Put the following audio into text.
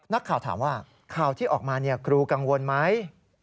นักข่าวถามว่าข่าวที่ออกมาครูกังวลไหม